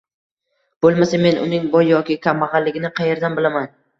Bo`lmasa men uning boy yoki kambag`alligini qaerdan bilaman